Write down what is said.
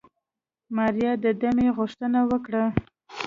ماريا د دمې غوښتنه وکړه.